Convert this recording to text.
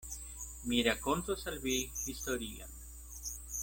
Mi rakontos al vi historion.